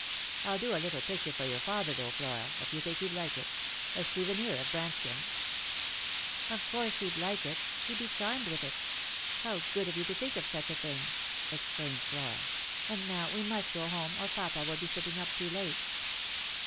I'll do a little picture for your father, though, Flora, if you think he'd like it — a souvenir of Branscomb." " Of course he'd like it. He'd be charmed with it. How good of you to think of such a thing !" exclaimed Flora. " And now we must go home, or papa will be sitting up too late."